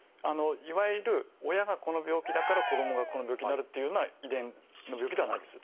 いわゆる親がこの病気だから子どもがこの病気になるっていうような遺伝の病気ではないです。